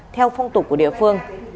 theo phong tục của địa phương